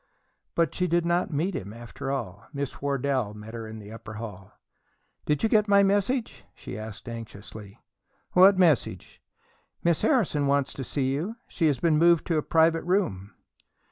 But she did not meet him, after all. Miss Wardwell met her in the upper hall. "Did you get my message?" she asked anxiously. "What message?" "Miss Harrison wants to see you. She has been moved to a private room."